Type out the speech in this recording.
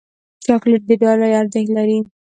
چاکلېټ د ډالۍ ارزښت لري.